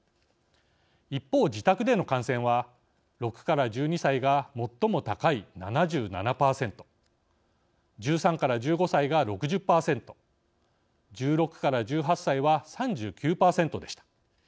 一方、自宅での感染は６１２歳が最も高い７７％１３１５歳が６０％１６１８歳は３９％でした。